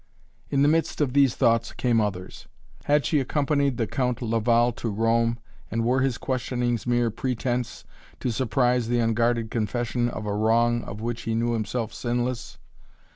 In the midst of these thoughts came others. Had she accompanied the Count Laval to Rome and were his questionings mere pretense, to surprise the unguarded confession of a wrong of which he knew himself sinless?